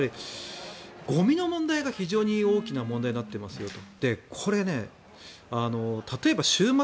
ゴミの問題が非常に大きな問題になっていますよと。